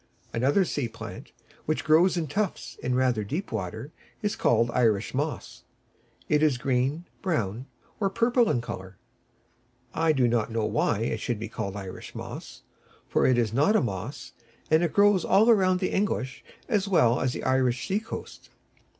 Another sea plant, which grows in tufts in rather deep water, is called Irish Moss; it is green, brown or purple in colour. I do not know why it should be called Irish Moss, for it is not a moss, and it grows all round the English, as well as the Irish, sea coast.